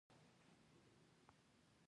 د هاضمې سیستم له کوم ځای څخه پیلیږي